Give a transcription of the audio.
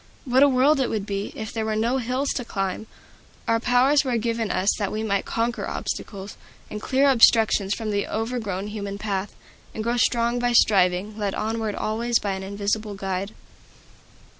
What a world it would be, if there were no hills to climb! Our powers were given us that we might conquer obstacles, and clear obstructions from the overgrown human path, and grow strong by striving, led onward always by an Invisible Guide.